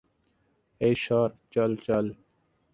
এই সর - চল, চল!